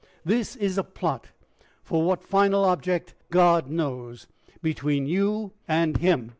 This is a plot for what final object, God knows between you and him!